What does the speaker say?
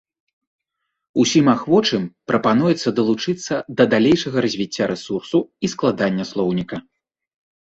Усім ахвочым прапануецца далучыцца да далейшага развіцця рэсурсу і складання слоўніка.